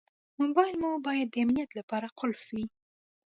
موبایل مو باید د امنیت لپاره قلف وي.